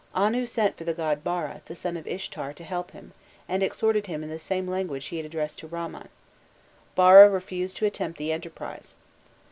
'" Anu sent for the god Bara, the son of Ishtar, to help him, and exhorted him in the same language he had addressed to Ramman: Bara refused to attempt the enterprise.